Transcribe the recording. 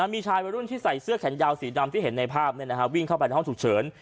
มีชายวัยรุ่นที่ใส่เสื้อแขนยาวสีดำที่เห็นในภาพวิ่งเข้าไปในห้องฉุกเฉิน